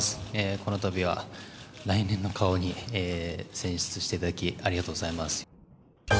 このたびは、来年の顔に選出していただき、ありがとうございます。